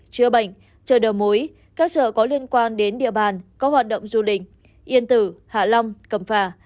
chữa bệnh chợ đầu mối các chợ có liên quan đến địa bàn có hoạt động du lịch yên tử hạ long cầm phà